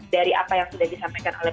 dari apa yang sudah disampaikan oleh